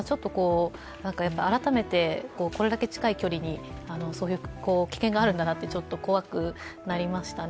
改めて、これだけ近い距離に危険があるんだなとちょっと怖くなりましたね。